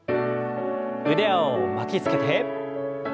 腕を巻きつけて。